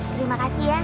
terima kasih ya